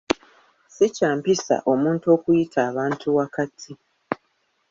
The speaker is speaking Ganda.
Si kya mpisa omuntu okuyita abantu wakati.